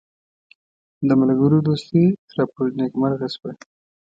د ملګرو دوستي راپوري نیکمرغه شوه.